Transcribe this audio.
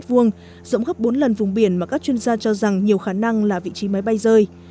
rộng gấp bốn lần vùng biển mà các chuyên gia cho rằng nhiều khả năng là vị trí máy bay rơi